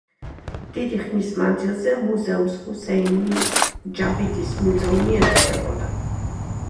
დიდი ხნის მანძილზე „მუზეუმს ჰუსეინ ჯავიდის მუზეუმი“ ეწოდებოდა.